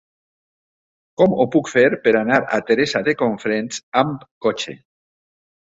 Com ho puc fer per anar a Teresa de Cofrents amb cotxe?